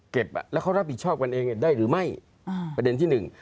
แล้วเขารับผิดชอบกันเองได้หรือไม่อ่าประเด็นที่หนึ่ง